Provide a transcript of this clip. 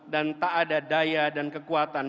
dan tak ada daya dan kekuatan